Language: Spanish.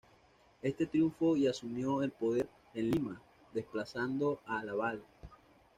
Este triunfó y asumió el poder en Lima, desplazando a Lavalle.